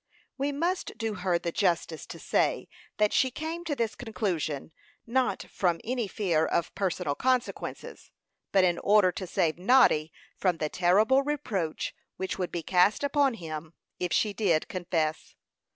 We must do her the justice to say, that she came to this conclusion, not from any fear of personal consequences, but in order to save Noddy from the terrible reproach which would be cast upon him if she did confess.